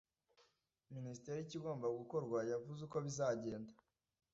minisiteri y ikigomba gukorwa yavuze uko bizagenda